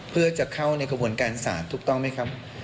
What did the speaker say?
เพื่อจะเข้าในกระบวนการศาลถูกต้องไหมครับ